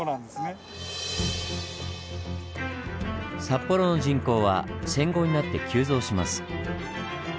札幌の人口は戦後になって急増します。